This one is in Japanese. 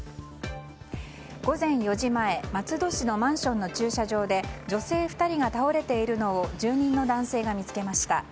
午前４時前松戸市のマンションの駐車場で女性２人が倒れているのを住人の男性が見つけました。